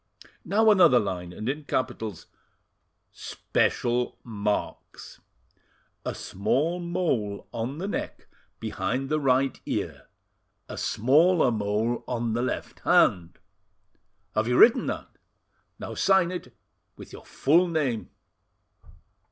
"Now another line, and in capitals: "'SPECIAL MARKS.' "'A small mole on the neck behind the right ear, a smaller mole on the left hand.' "Have you written that? Now sign it with your full name."